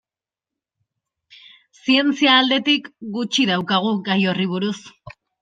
Zientzia aldetik gutxi daukagu gai horri buruz.